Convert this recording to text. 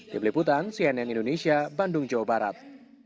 di peliputan cnn indonesia bandung jawa barat